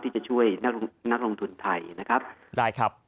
ที่จะช่วยนักลงทุนไทย